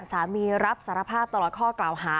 สามีรับสารภาพตลอดข้อกล่าวหา